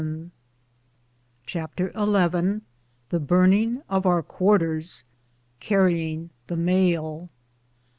115 CHAPTER XL THE BUENINO OF OUR QUARTERS. — CARRYING THE MAIL.